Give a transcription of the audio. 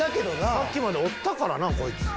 さっきまでおったからなこいつ。